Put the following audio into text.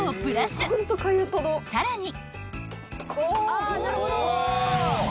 ［さらに］